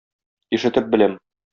Ишетеп беләм.